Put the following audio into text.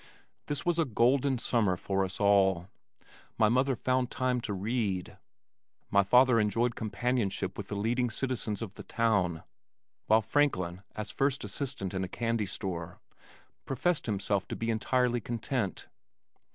This was a golden summer for us all. My mother found time to read. My father enjoyed companionship with the leading citizens of the town, while Franklin, as first assistant in a candy store, professed himself to be entirely content.